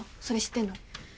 それ知ってんの？